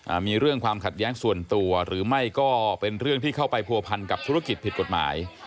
มีเรื่องความขัดแย้งส่วนตัวหรือไม่ก็เป็นเรื่องที่เข้าไปผัวพันกับธุรกิจผิดกฎหมาย